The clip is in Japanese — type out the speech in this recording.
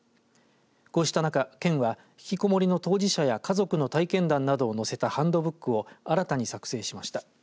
こうした中、県は引きこもりの当事者や家族の体験などを載せたハンドブックを新たに作成しました。